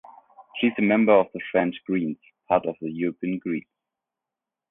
She is a member of the French Greens, part of the European Greens.